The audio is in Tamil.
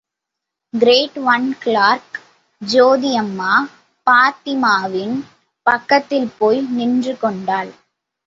கிரேட் ஒன் கிளார்க் ஜோதியம்மா, பாத்திமாவின் பக்கத்தில் போய் நின்று கொண்டாள்.